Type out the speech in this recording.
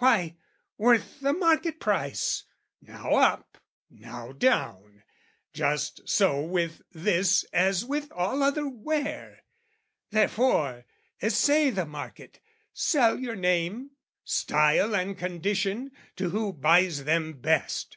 Why, worth the market price, now up, now down, Just so with this as with all other ware: Therefore essay the market, sell your name, Style and condition to who buys them best!